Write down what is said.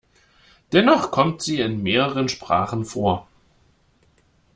Dennoch kommt sie in mehreren Sprachen vor.